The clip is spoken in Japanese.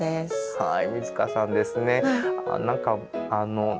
はい。